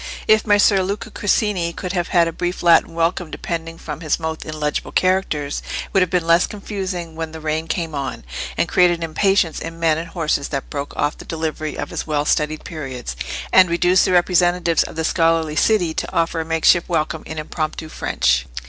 If Messer Luca Corsini could have had a brief Latin welcome depending from his mouth in legible characters, it would have been less confusing when the rain came on, and created an impatience in men and horses that broke off the delivery of his well studied periods, and reduced the representatives of the scholarly city to offer a makeshift welcome in impromptu French.